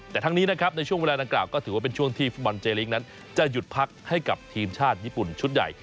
แต่ทั้งนี้นะครับในช่วงเวลาดังกล่าวก็ถือว่าเป็นช่วงที่ฟุตบอลเจลิงนั้นจะหยุดพักให้กับทีมชาติญี่ปุ่นชุดใหญ่